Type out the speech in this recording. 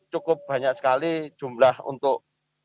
cukup banyak sekali jumlah untuk